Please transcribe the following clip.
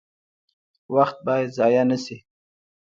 وخت باید ضایع نشي